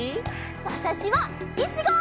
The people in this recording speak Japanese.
わたしはいちご！